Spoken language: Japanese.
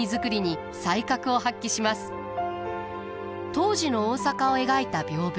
当時の大阪を描いた屏風。